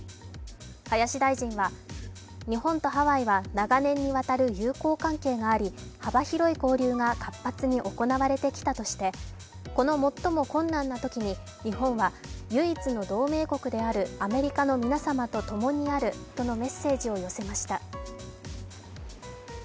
林大臣は、日本とハワイは長年にわたる友好関係にあり、幅広い交流が活発に行われてきたとしてこの、最も困難なときに日本は唯一の同盟国である、アメリカの皆様とともにとのメッセージを寄せました。